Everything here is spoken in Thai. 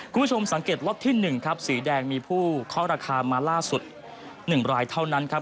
คุณผู้ชมสังเกตล็อตที่๑ครับสีแดงมีผู้เคาะราคามาล่าสุด๑รายเท่านั้นครับ